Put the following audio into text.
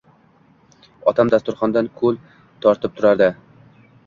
Otam dasturxondan ko'l tortib turadi: